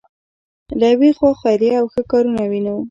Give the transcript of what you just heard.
له یوې خوا خیریه او ښه کارونه وینو.